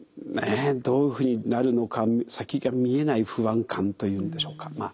どういうふうになるのか先が見えない不安感というんでしょうか。